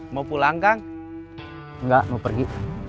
mau pulang kang nggak mau pergi